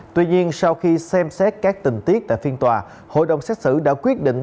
tuy nhiên sau khi xem xét các tình tiết tại phiên tòa hội đồng xét xử đã quyết định